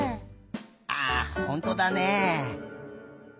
あっほんとだね！